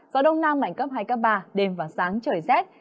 gió đông nam mạnh cấp hai cấp ba đêm và sáng trời rét